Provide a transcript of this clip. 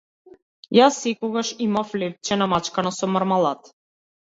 Јас секогаш имав лепче намачкано со мармалад.